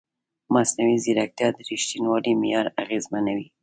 مصنوعي ځیرکتیا د ریښتینولۍ معیار اغېزمنوي.